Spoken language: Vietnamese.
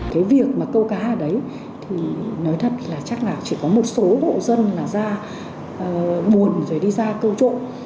cái việc mà câu cá ở đấy thì nói thật là chắc là chỉ có một số hộ dân là ra buồn rồi đi ra câu trộn